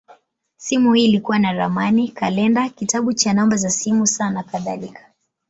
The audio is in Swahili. Simu hii ilikuwa na ramani, kalenda, kitabu cha namba za simu, saa, nakadhalika.